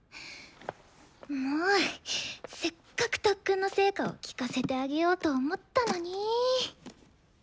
もうせっかく特訓の成果を聴かせてあげようと思ったのにぃ。